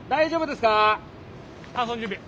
搬送準備。